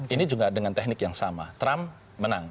ini juga dengan teknik yang sama trump menang